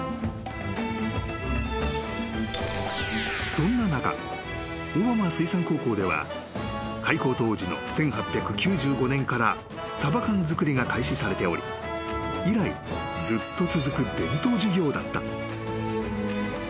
［そんな中小浜水産高校では開校当時の１８９５年からサバ缶作りが開始されており以来ずっと続く伝統授業だった］